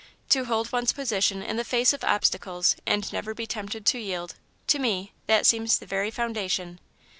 To hold one's position in the face of obstacles, and never be tempted to yield to me, that seems the very foundation."